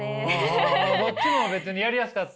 どっちも別にやりやすかった？